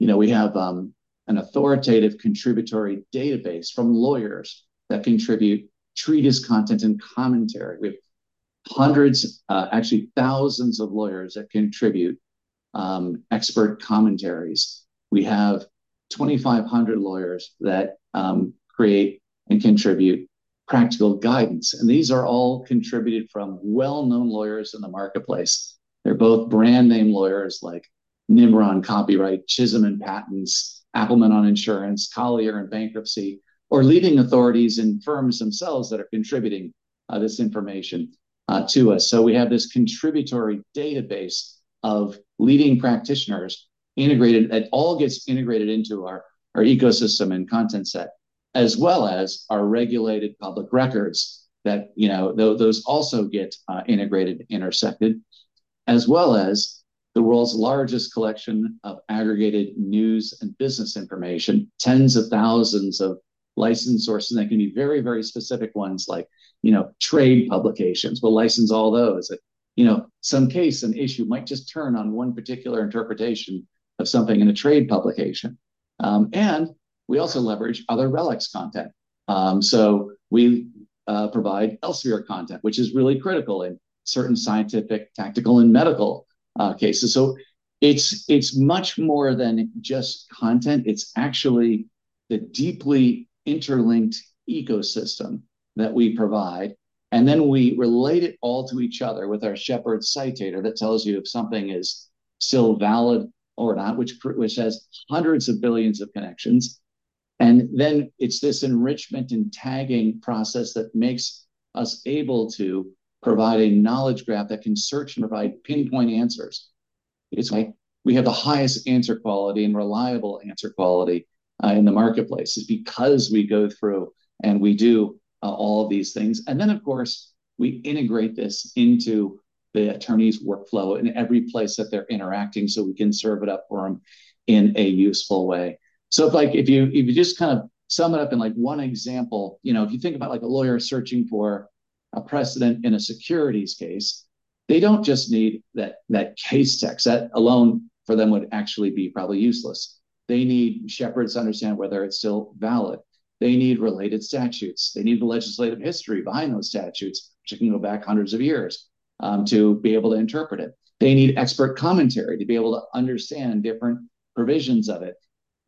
we have an authoritative contributory database from lawyers that contribute treatise, content, and commentary. We have hundreds, actually thousands of lawyers that contribute expert commentaries. We have 2,500 lawyers that create and contribute Practical Guidance. These are all contributed from well-known lawyers in the marketplace. They're both brand-name lawyers like Nimmer on Copyright, Chisum on Patents, Appleman on Insurance, Collier on Bankruptcy, or leading authorities in firms themselves that are contributing this information to us. We have this contributory database of leading practitioners integrated. It all gets integrated into our ecosystem and content set, as well as our regulated public records that those also get integrated, intersected, as well as the world's largest collection of aggregated news and business information, tens of thousands of licensed sources that can be very, very specific ones like trade publications. We'll license all those. Some case and issue might just turn on one particular interpretation of something in a trade publication. We also leverage other RELX content. We provide Elsevier content, which is really critical in certain scientific, technical, and medical cases. It's much more than just content. It's actually the deeply interlinked ecosystem that we provide. And then we relate it all to each other with our Shepard's Citations that tells you if something is still valid or not, which has hundreds of billions of connections. And then it's this enrichment and tagging process that makes us able to provide a knowledge graph that can search and provide pinpoint answers. It's why we have the highest answer quality and reliable answer quality in the marketplace is because we go through and we do all of these things. And then, of course, we integrate this into the attorney's workflow in every place that they're interacting so we can serve it up for them in a useful way. So if you just kind of sum it up in one example, if you think about a lawyer searching for a precedent in a securities case, they don't just need that case text. That alone for them would actually be probably useless. They need Shepard's to understand whether it's still valid. They need related statutes. They need the legislative history behind those statutes, which can go back hundreds of years to be able to interpret it. They need expert commentary to be able to understand different provisions of it.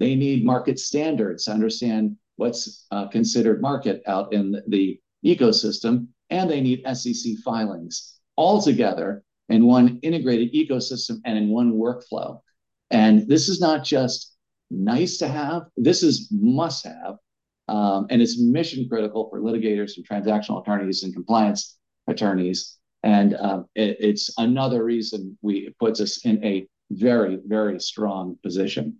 They need market standards to understand what's considered market out in the ecosystem. And they need SEC filings altogether in one integrated ecosystem and in one workflow. And this is not just nice to have. This is must-have. And it's mission-critical for litigators and transactional attorneys and compliance attorneys. It's another reason it puts us in a very, very strong position.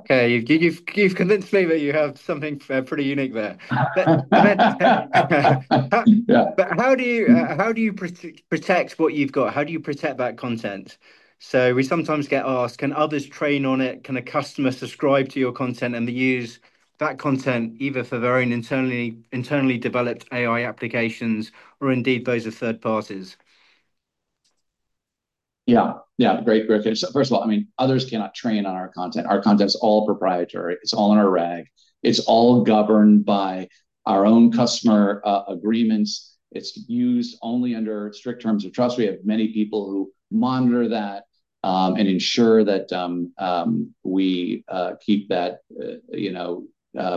Okay. You've convinced me that you have something pretty unique there. But how do you protect what you've got? How do you protect that content? So we sometimes get asked, "Can others train on it? Can a customer subscribe to your content and use that content either for their own internally developed AI applications or indeed those of third parties? Yeah. Yeah. Great question. So first of all, I mean, others cannot train on our content. Our content is all proprietary. It's all in our RAG. It's all governed by our own customer agreements. It's used only under strict terms of trust. We have many people who monitor that and ensure that we keep that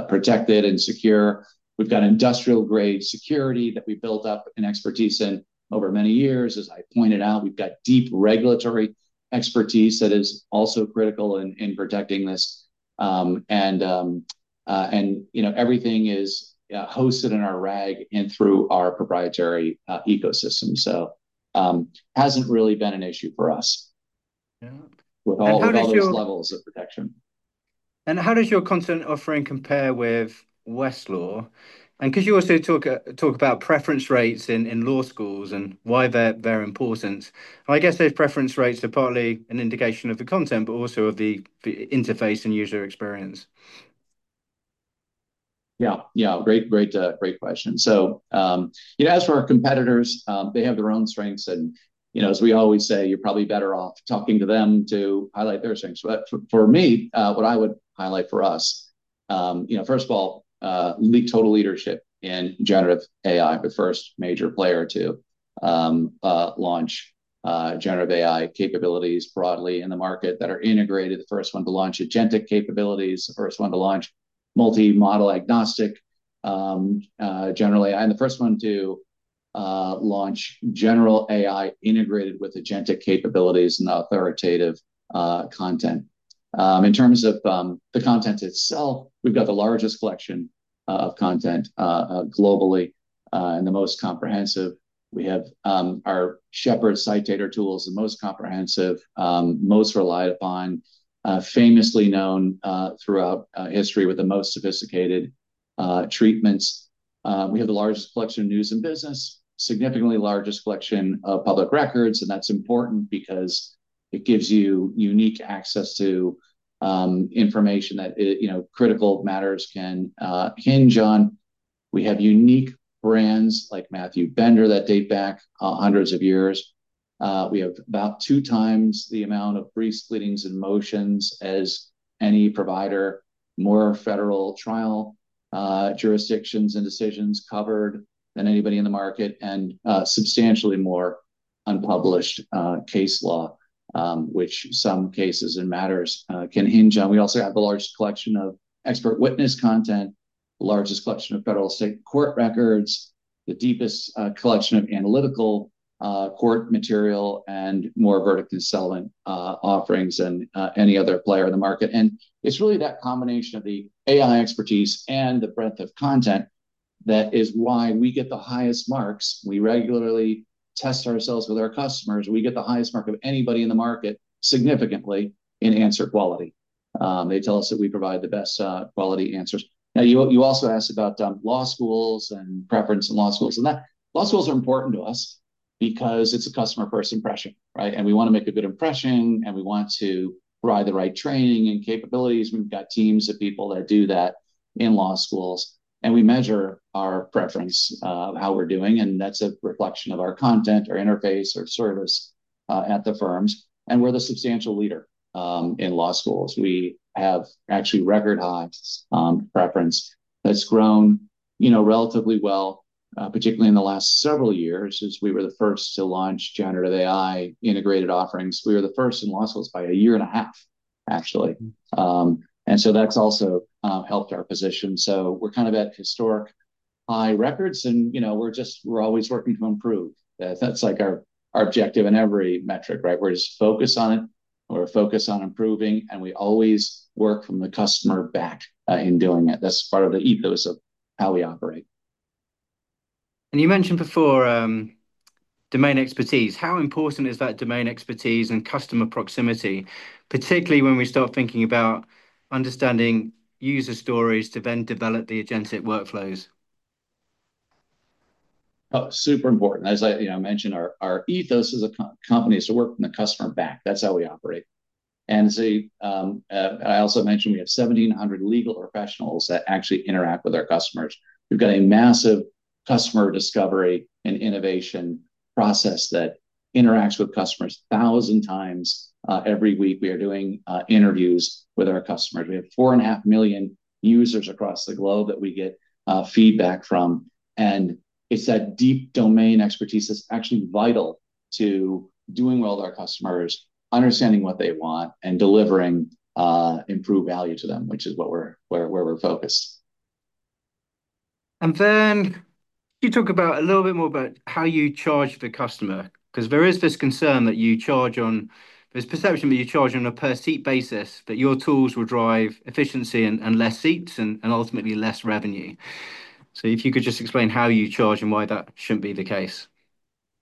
protected and secure. We've got industrial-grade security that we built up an expertise in over many years. As I pointed out, we've got deep regulatory expertise that is also critical in protecting this. And everything is hosted in our RAG and through our proprietary ecosystem. So it hasn't really been an issue for us with all the various levels of protection. How does your content offering compare with Westlaw? Because you also talk about preference rates in law schools and why they're important. I guess those preference rates are partly an indication of the content, but also of the interface and user experience. Yeah. Yeah. Great question. So as for our competitors, they have their own strengths. And as we always say, you're probably better off talking to them to highlight their strengths. But for me, what I would highlight for us, first of all, leading total leadership and generative AI, the first major player to launch generative AI capabilities broadly in the market that are integrated. The first one to launch agentic capabilities, the first one to launch multi-model agnostic Lexis+ AI, and the first one to launch General AI integrated with agentic capabilities and authoritative content. In terms of the content itself, we've got the largest collection of content globally and the most comprehensive. We have our Shepard's Citations tools, the most comprehensive, most relied upon, famously known throughout history with the most sophisticated treatments. We have the largest collection of news and business, significantly largest collection of public records. That's important because it gives you unique access to information that critical matters can hinge on. We have unique brands like Matthew Bender that date back hundreds of years. We have about two times the amount of briefs, pleadings, and motions as any provider, more federal trial jurisdictions and decisions covered than anybody in the market, and substantially more unpublished case law, which some cases and matters can hinge on. We also have the largest collection of expert witness content, the largest collection of federal state court records, the deepest collection of analytical court material, and more verdict and settlement offerings than any other player in the market. It's really that combination of the AI expertise and the breadth of content that is why we get the highest marks. We regularly test ourselves with our customers. We get the highest mark of anybody in the market significantly in answer quality. They tell us that we provide the best quality answers. Now, you also asked about law schools and preference in law schools. And law schools are important to us because it's a customer-first impression, right? And we want to make a good impression. And we want to provide the right training and capabilities. We've got teams of people that do that in law schools. And we measure our preference of how we're doing. And that's a reflection of our content, our interface, our service at the firms. And we're the substantial leader in law schools. We have actually record-high preference that's grown relatively well, particularly in the last several years as we were the first to generative AI integrated offerings. We were the first in law schools by a year and a half, actually. And so that's also helped our position. So we're kind of at historic high records. And we're always working to improve. That's our objective in every metric, right? We're just focused on it. We're focused on improving. And we always work from the customer back in doing it. That's part of the ethos of how we operate. You mentioned before domain expertise. How important is that domain expertise and customer proximity, particularly when we start thinking about understanding user stories to then develop the agentic workflows? Super important. As I mentioned, our ethos as a company is to work from the customer back. That's how we operate. And I also mentioned we have 1,700 legal professionals that actually interact with our customers. We've got a massive customer discovery and innovation process that interacts with customers 1,000 times every week. We are doing interviews with our customers. We have 4.5 million users across the globe that we get feedback from. And it's that deep domain expertise that's actually vital to doing well with our customers, understanding what they want, and delivering improved value to them, which is where we're focused. And then you talk about a little bit more about how you charge the customer because there is this concern that you charge on. There's a perception that you charge on a per-seat basis, that your tools will drive efficiency and less seats and ultimately less revenue. So if you could just explain how you charge and why that shouldn't be the case.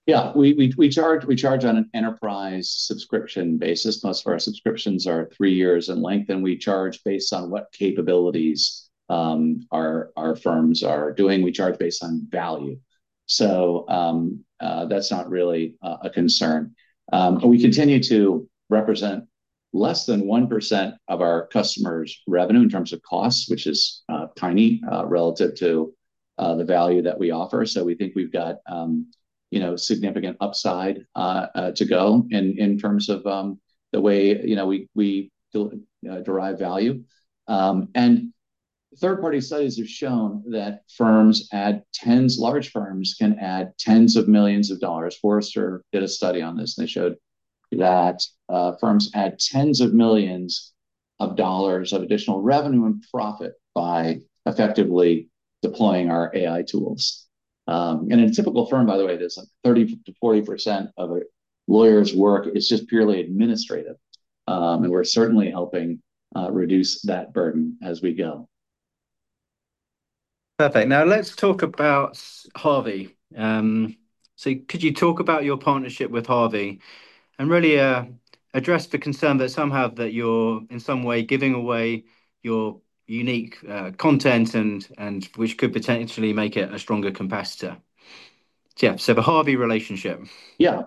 Yeah. We charge on an enterprise subscription basis. Most of our subscriptions are three years in length. And we charge based on what capabilities our firms are doing. We charge based on value. So that's not really a concern. We continue to represent less than 1% of our customers' revenue in terms of costs, which is tiny relative to the value that we offer. So we think we've got significant upside to go in terms of the way we derive value. And third-party studies have shown that large firms can add tens of millions of dollars. Forrester did a study on this. They showed that firms add tens of millions of dollars of additional revenue and profit by effectively deploying our AI tools. And in a typical firm, by the way, 30%-40% of a lawyer's work is just purely administrative. We're certainly helping reduce that burden as we go. Perfect. Now, let's talk about Harvey. So could you talk about your partnership with Harvey and really address the concern that some have that you're in some way giving away your unique content, which could potentially make it a stronger competitor? Yeah. So the Harvey relationship. Yeah.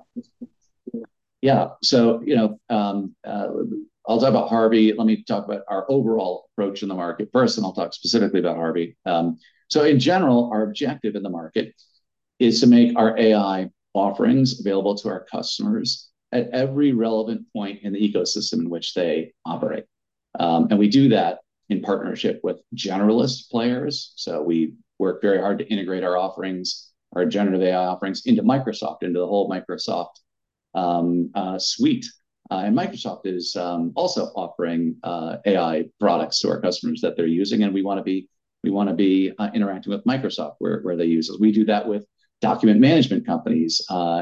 Yeah. So I'll talk about Harvey. Let me talk about our overall approach in the market first. And I'll talk specifically about Harvey. So in general, our objective in the market is to make our AI offerings available to our customers at every relevant point in the ecosystem in which they operate. And we do that in partnership with generalist players. So we work very hard to integrate our offerings, generative AI offerings, into Microsoft, into the whole Microsoft Suite. And Microsoft is also offering AI products to our customers that they're using. And we want to be interacting with Microsoft where they use us. We do that with document management companies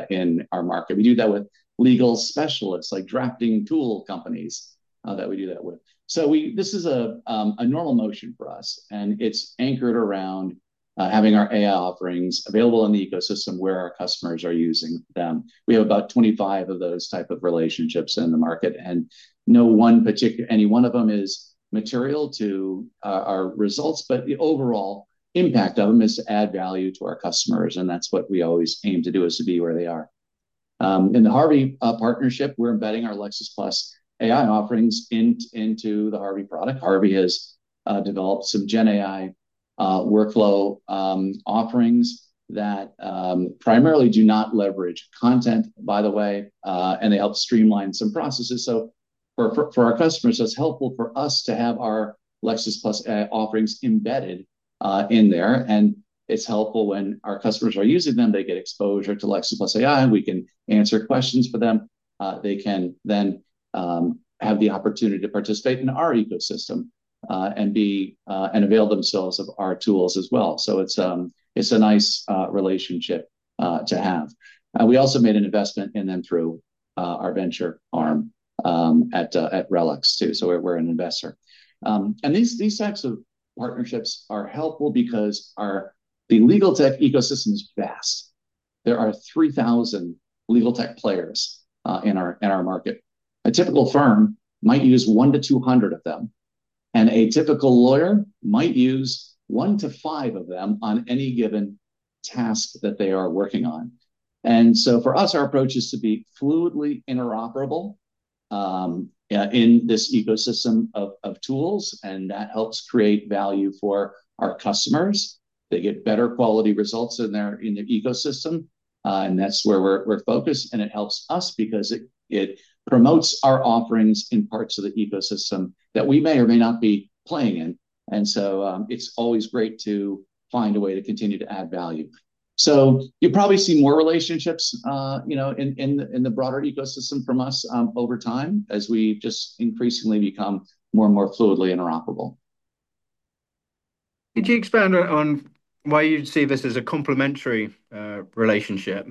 in our market. We do that with legal specialists like drafting tool companies that we do that with. So this is a normal motion for us. And it's anchored around having our AI offerings available in the ecosystem where our customers are using them. We have about 25 of those types of relationships in the market. And no one particular any one of them is material to our results. But the overall impact of them is to add value to our customers. And that's what we always aim to do is to be where they are. In the Harvey partnership, we're embedding our Lexis+ AI offerings into the Harvey product. Harvey has developed some GenAI workflow offerings that primarily do not leverage content, by the way, and they help streamline some processes. So for our customers, it's helpful for us to have our Lexis+ AI offerings embedded in there. And it's helpful when our customers are using them. They get exposure to Lexis+ AI. We can answer questions for them. They can then have the opportunity to participate in our ecosystem and avail themselves of our tools as well, so it's a nice relationship to have. We also made an investment in them through our venture arm at RELX too, so we're an investor, and these types of partnerships are helpful because the legal tech ecosystem is vast. There are 3,000 legal tech players in our market. A typical firm might use one to 200 of them, and a typical lawyer might use one to five of them on any given task that they are working on, and so for us, our approach is to be fluidly interoperable in this ecosystem of tools, and that helps create value for our customers. They get better quality results in their ecosystem, and that's where we're focused. And it helps us because it promotes our offerings in parts of the ecosystem that we may or may not be playing in. And so it's always great to find a way to continue to add value. So you probably see more relationships in the broader ecosystem from us over time as we just increasingly become more and more fluidly interoperable. Could you expand on why you'd see this as a complementary relationship?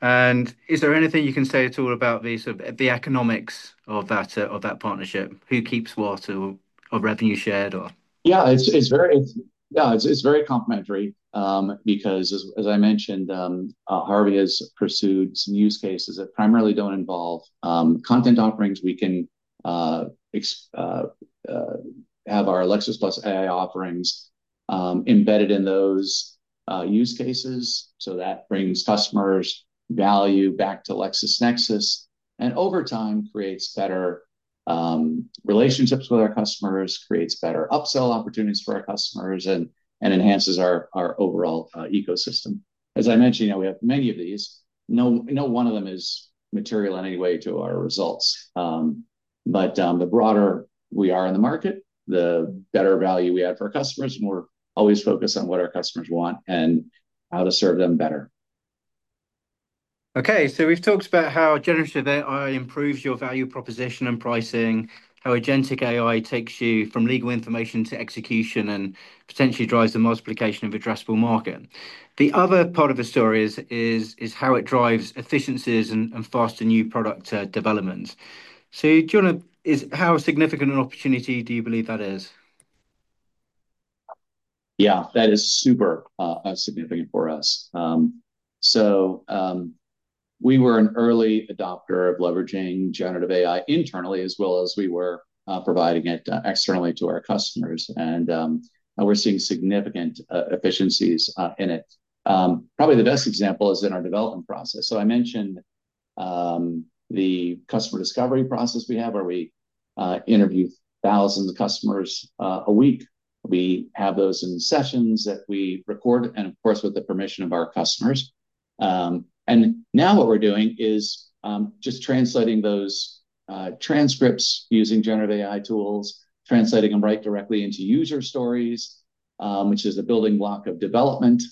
And is there anything you can say at all about the economics of that partnership? Who keeps what of revenue shared, or? Yeah. Yeah. It's very complementary because, as I mentioned, Harvey has pursued some use cases that primarily don't involve content offerings. We can have our Lexis+ AI offerings embedded in those use cases. So that brings customers' value back to LexisNexis and over time creates better relationships with our customers, creates better upsell opportunities for our customers, and enhances our overall ecosystem. As I mentioned, we have many of these. No one of them is material in any way to our results. But the broader we are in the market, the better value we add for our customers, and we're always focused on what our customers want and how to serve them better. Okay. So we've talked about generative AI improves your value proposition and pricing, how agentic AI takes you from legal information to execution and potentially drives the multiplication of addressable market. The other part of the story is how it drives efficiencies and faster new product development. So do you want to how significant an opportunity do you believe that is? Yeah. That is super significant for us. So we were an early adopter of generative AI internally as well as we were providing it externally to our customers. And we're seeing significant efficiencies in it. Probably the best example is in our development process. So I mentioned the customer discovery process we have where we interview thousands of customers a week. We have those in sessions that we record and, of course, with the permission of our customers. And now what we're doing is just translating those transcripts using generative AI tools, translating them right directly into user stories, which is the building block of development,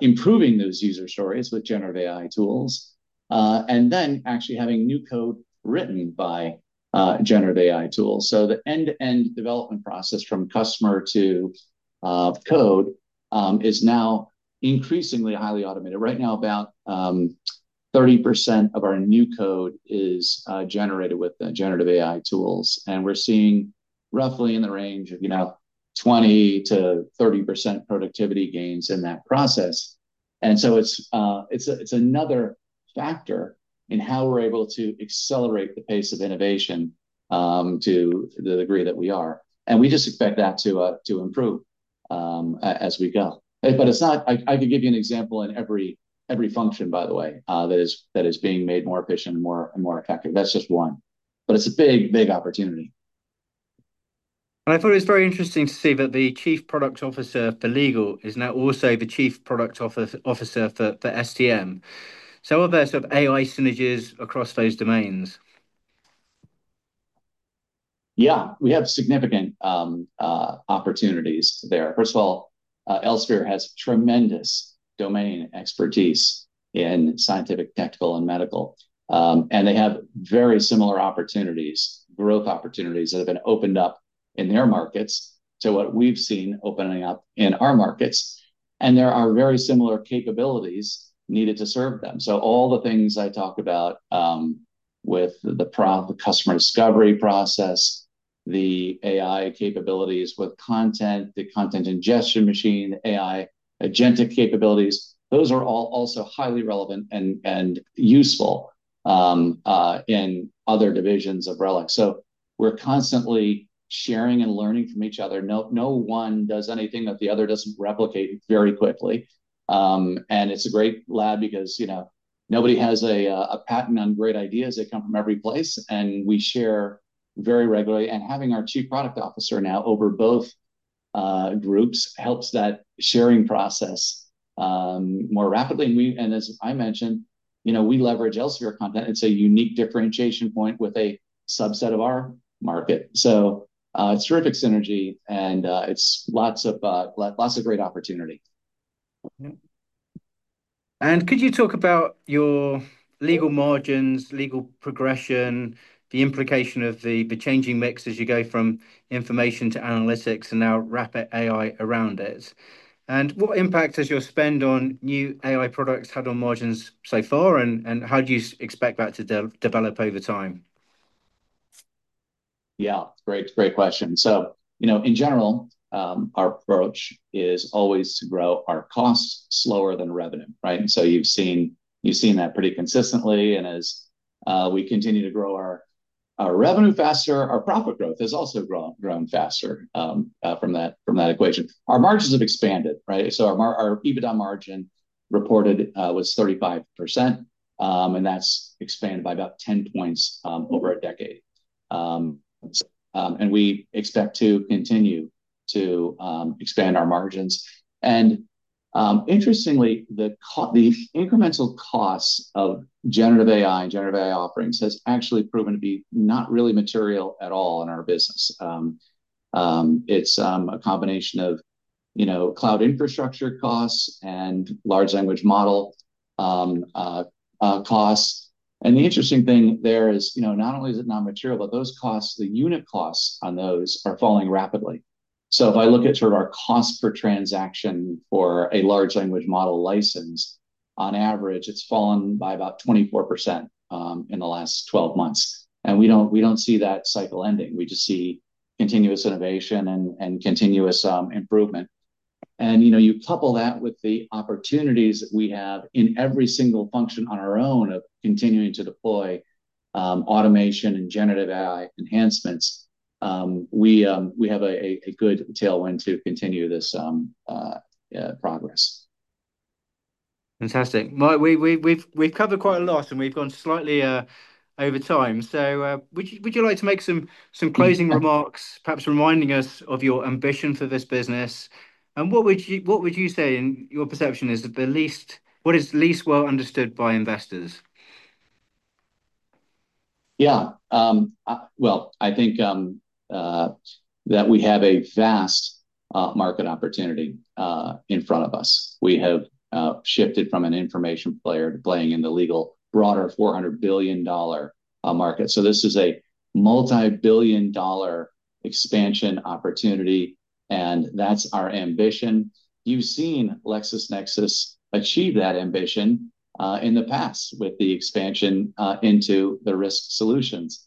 improving those user stories with generative AI tools, and then actually having new code written generative AI tools. So the end-to-end development process from customer to code is now increasingly highly automated. Right now, about 30% of our new code is generated with generative AI tools, and we're seeing roughly in the range of 20%-30% productivity gains in that process, so it's another factor in how we're able to accelerate the pace of innovation to the degree that we are, and we just expect that to improve as we go, but I could give you an example in every function, by the way, that is being made more efficient and more effective. That's just one, but it's a big, big opportunity. I thought it was very interesting to see that the Chief Product Officer for Legal is now also the Chief Product Officer for STM. Are there sort of AI synergies across those domains? Yeah. We have significant opportunities there. First of all, Elsevier has tremendous domain expertise in scientific, technical, and medical. And they have very similar opportunities, growth opportunities that have been opened up in their markets to what we've seen opening up in our markets. And there are very similar capabilities needed to serve them. So all the things I talk about with the customer discovery process, the AI capabilities with content, the content ingestion machine, the AI agentic capabilities, those are all also highly relevant and useful in other divisions of RELX. So we're constantly sharing and learning from each other. No one does anything that the other doesn't replicate very quickly. And it's a great lab because nobody has a patent on great ideas. They come from every place. And we share very regularly. Having our Chief Product Officer now over both groups helps that sharing process more rapidly. As I mentioned, we leverage Elsevier content. It's a unique differentiation point with a subset of our market. It's a terrific synergy. It's lots of great opportunity. Could you talk about your legal margins, legal progression, the implication of the changing mix as you go from information to analytics and now wrapped AI around it? What impact has your spend on new AI products had on margins so far? How do you expect that to develop over time? Yeah. It's a great question. So in general, our approach is always to grow our costs slower than revenue, right? And so you've seen that pretty consistently. And as we continue to grow our revenue faster, our profit growth has also grown faster from that equation. Our margins have expanded, right? So our EBITDA margin reported was 35%. And that's expanded by about 10 points over a decade. And we expect to continue to expand our margins. And interestingly, the incremental costs of generative AI offerings have actually proven to be not really material at all in our business. It's a combination of cloud infrastructure costs and large language model costs. And the interesting thing there is not only is it not material, but those costs, the unit costs on those are falling rapidly. So if I look at sort of our cost per transaction for a large language model license, on average, it's fallen by about 24% in the last 12 months. And we don't see that cycle ending. We just see continuous innovation and continuous improvement. And you couple that with the opportunities that we have in every single function on our own of continuing to deploy automation generative AI enhancements, we have a good tailwind to continue this progress. Fantastic. Well, we've covered quite a lot, and we've gone slightly over time. So would you like to make some closing remarks, perhaps reminding us of your ambition for this business? And what would you say in your perception is the least well understood by investors? Yeah. Well, I think that we have a vast market opportunity in front of us. We have shifted from an information player to playing in the legal broader $400 billion market. So this is a multi-billion dollar expansion opportunity. And that's our ambition. You've seen LexisNexis achieve that ambition in the past with the expansion into the Risk Solutions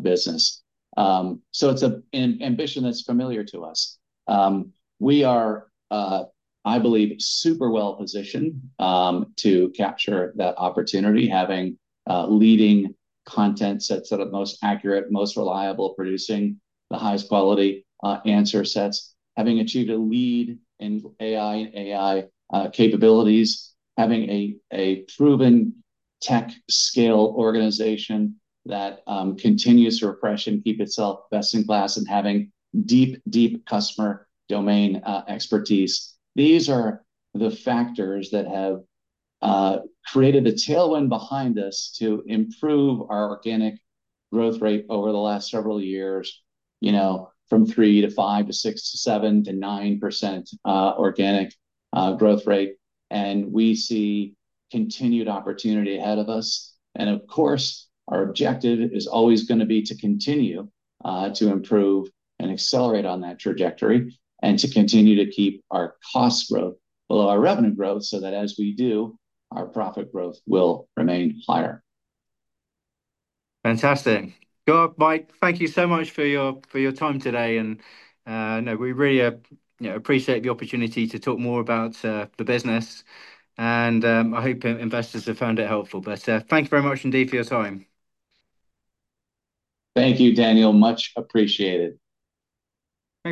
business. So it's an ambition that's familiar to us. We are, I believe, super well-positioned to capture that opportunity, having leading content sets that are most accurate, most reliable, producing the highest quality answer sets, having achieved a lead in AI and AI capabilities, having a proven tech scale organization that continues to refresh and keep itself best in class, and having deep, deep customer domain expertise. These are the factors that have created the tailwind behind us to improve our organic growth rate over the last several years from 3% to 5% to 6% to 7% to 9% organic growth rate, and we see continued opportunity ahead of us, and of course, our objective is always going to be to continue to improve and accelerate on that trajectory and to continue to keep our cost growth below our revenue growth so that as we do, our profit growth will remain higher. Fantastic. Mike, thank you so much for your time today. And we really appreciate the opportunity to talk more about the business. And I hope investors have found it helpful. But thanks very much indeed for your time. Thank you, Daniel. Much appreciated.